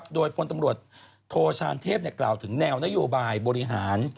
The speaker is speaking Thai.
โดยพลตำรวจโทชานเทพกล่าวถึงแนวนโยบายบริหาร